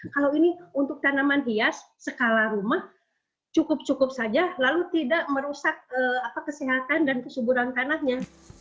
kalau ini untuk tanaman hias skala rumah cukup cukup saja lalu tidak merusak kesehatan dan kesuburan tanahnya